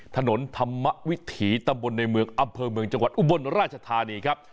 ถนนธรรมวิถีตำบลในเมืองอำเภอเมืองจังหวัดอุบลราชธานีครับ